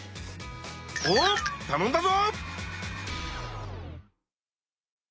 おおたのんだぞ！